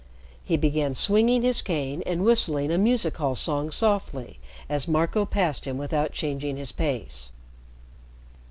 He began swinging his cane and whistling a music hall song softly as Marco passed him without changing his pace.